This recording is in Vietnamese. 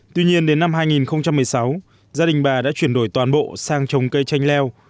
tuy nhiên đến năm hai nghìn một mươi sáu gia đình bà đã chuyển đổi toàn bộ sang trồng cây chanh leo